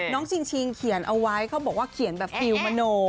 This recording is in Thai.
ชิงเขียนเอาไว้เขาบอกว่าเขียนแบบฟิลมโน